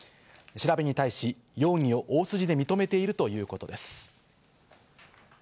調べに対し容疑を大筋で認めているということです。